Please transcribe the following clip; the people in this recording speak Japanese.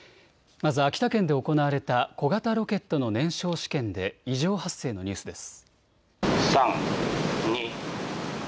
まず秋田県で行われた小型ロケットの燃焼試験で異常発生のニュースです。